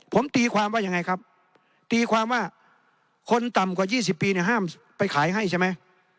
ผมตีความว่ายังไงครับตีความว่าคนต่ำกว่า๒๐ปีเนี่ยห้ามไปขายให้ใช่ไหม